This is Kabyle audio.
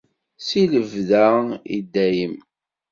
Si lebda, i dayem.